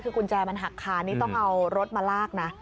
คือกุญแจมันหักคานี่ต้องเอารถมาลากนะ